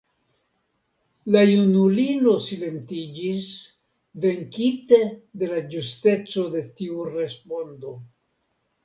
La junulino silentiĝis, venkite de la ĝusteco de tiu respondo.